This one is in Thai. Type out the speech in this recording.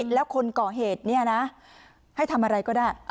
แล้วคนก่อเหตุเนี่ยนะให้ทำอะไรก็ได้